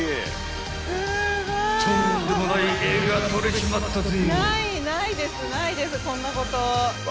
［とんでもない絵が撮れちまったぜ］